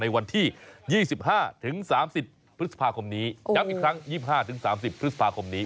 วันที่๒๕๓๐พฤษภาคมนี้ย้ำอีกครั้ง๒๕๓๐พฤษภาคมนี้